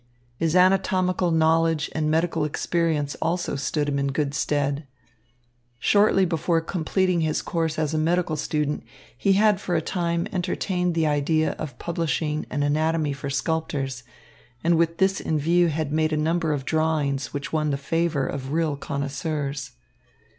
His anatomical knowledge and medical experience also stood him in good stead. Shortly before completing his course as a medical student, he had for a time entertained the idea of publishing an anatomy for sculptors, and with this in view had made a number of drawings which won the favour of real connoisseurs.